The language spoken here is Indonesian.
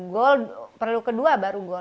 goal perlu kedua baru